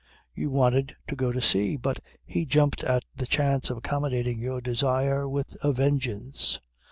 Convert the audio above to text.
You wanted to go to sea, but he jumped at the chance of accommodating your desire with a vengeance.